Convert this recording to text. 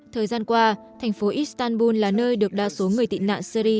thời gian qua thành phố istanbul là nơi được đa số người tị nạn syri